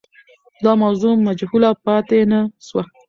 دا موضوع مجهوله پاتې نه سوه.